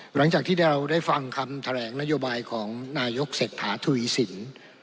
หลังจากที่เราได้ฟังคำแถลงนโยบายของนายกเศรษฐาทวีสิน